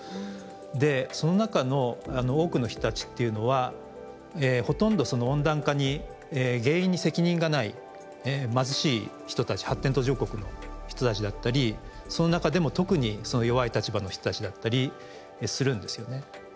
でその中の多くの人たちっていうのはほとんどその温暖化に原因に責任がない貧しい人たち発展途上国の人たちだったりその中でも特に弱い立場の人たちだったりするんですよね。